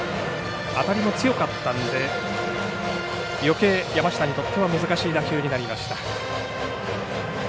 当たりも強かったのでよけい山下にとっては難しい打球になりました。